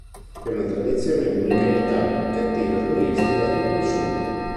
È una tradizione unica in Italia che attira turisti da tutto il Sud.